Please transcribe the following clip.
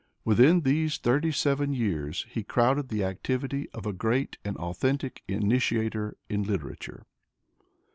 Within these thirty seven years he crowded the activity of a great and authentic initiator in literature.